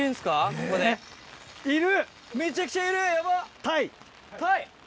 ここにいる。